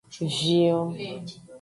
Vion.